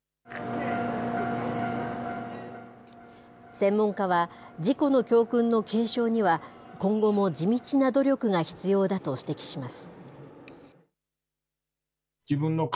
専門家は事故の教訓の継承には、今後も地道な努力が必要だと指摘します。